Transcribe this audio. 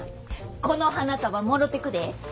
この花束もろてくで。